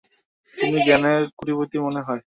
তুমি জ্ঞানের কোটিপতি মনে হয়!